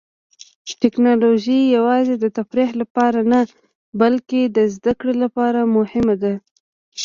ټیکنالوژي یوازې د تفریح لپاره نه، بلکې د زده کړې لپاره هم مهمه ده.